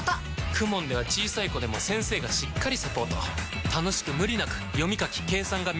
ＫＵＭＯＮ では小さい子でも先生がしっかりサポート楽しく無理なく読み書き計算が身につきます！